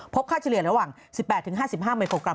ค่าเฉลี่ยระหว่าง๑๘๕๕มิโครกรั